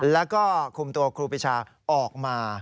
แล้วก็คุมตัวครูปีชาออกมา